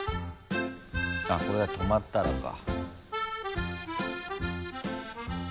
これが止まったらか。